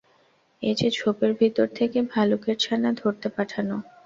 এ যে ঝোপের ভিতর থেকে ভালুকের ছানা ধরতে পাঠানো!